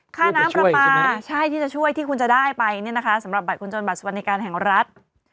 ค่าน้ำปลาปลาใช่ที่จะช่วยที่คุณจะได้ไปเนี่ยนะคะสำหรับบัตรคนจนบัตรสวัสดิการแห่งรัฐ